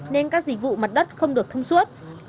nên các dịch vụ mặt đất không được thông suốt